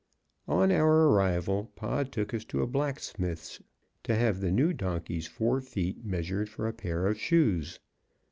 On our arrival, Pod took us to a blacksmith's to have the new donkey's fore feet measured for a pair of shoes.